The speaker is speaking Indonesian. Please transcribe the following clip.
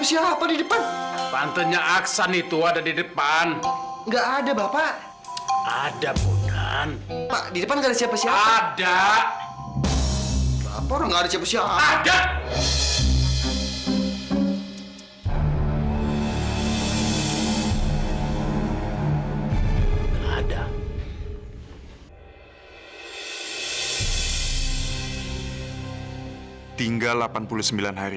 ini dia yang aku cari cari